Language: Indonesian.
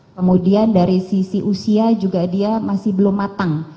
kemudian dari sisi usia juga dia masih belum matang